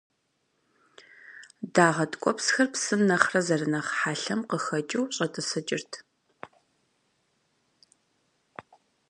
Дагъэ ткӏуэпсхэр псым нэхърэ зэрынэхъ хьэлъэм къыхэкӏыу щӏэтӏысыкӏырт.